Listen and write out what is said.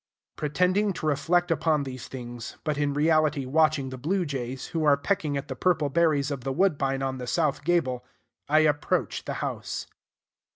Pretending to reflect upon these things, but in reality watching the blue jays, who are pecking at the purple berries of the woodbine on the south gable, I approach the house.